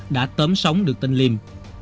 đã tấm sóng được tên liêm